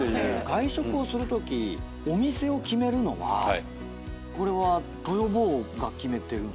外食をするときお店を決めるのはこれは豊坊が決めてるんですか？